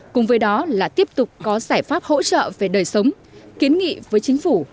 cùng với đó là tiếp tục có giải pháp hỗ trợ về đời sống kiến nghị với chính phủ